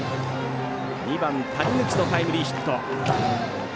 ２番、谷口のタイムリーヒット。